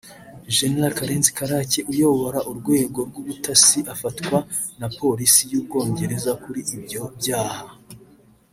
Gen Karenzi Karake uyobora urwego rw’ubutasi afatwa na Polisi y’u Bwongereza kuri ibyo byaha